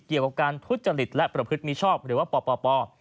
เกี่ยวกับการทุจริตและประพฤติมิชอบหรือว่าปป